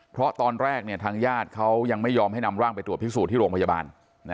เพราะตอนแรกทางญาติเขายังไม่ยอมให้นำร่างไปตรวจพิสูจน์ที่โรงพยาบาล